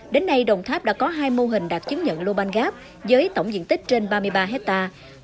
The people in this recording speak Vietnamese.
đến nay đồng tháp đã có hai mô hình đạt chứng nhận lô banh gáp với tổng diện tích trên ba mươi ba hectare